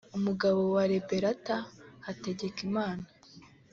umugabo wa Liberata Hategekimana